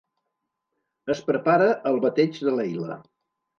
Es prepara el bateig de Leila.